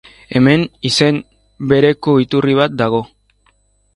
Hemen, izen bereko iturri bat dago.